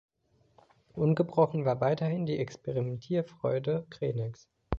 Ungebrochen war weiterhin die Experimentierfreude Kreneks.